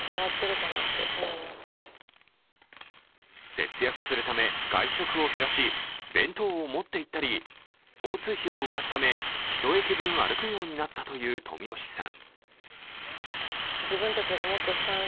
節約するため外食を減らし弁当を持っていったり交通費を浮かすため１駅分歩くようになったという冨吉さん。